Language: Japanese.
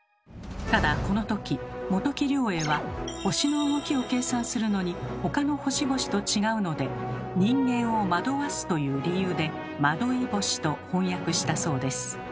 ただこの時本木良栄は星の動きを計算するのに他の星々と違うので「人間を惑わす」という理由で「惑星」と翻訳したそうです。